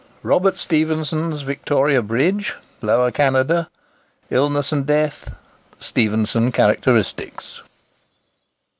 ROBERT STEPHENSON'S VICTORIA BRIDGE, LOWER CANADA—ILLNESS AND DEATH—STEPHENSON CHARACTERISTICS.